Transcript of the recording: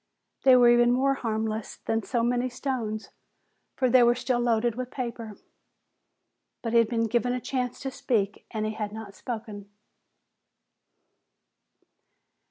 They were even more harmless than so many stones, for they were still loaded with paper. But he'd been given a chance to speak and he had not spoken.